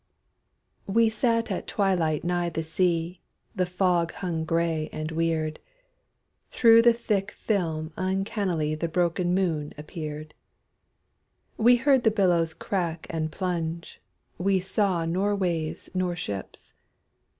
We sat at twilight nigh the sea, The fog hung gray and weird. Through the thick film uncannily The broken moon appeared. We heard the billows crack and plunge, We saw nor waves nor ships.